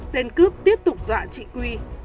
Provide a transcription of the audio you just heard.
tên cướp tiếp tục dọa chị quy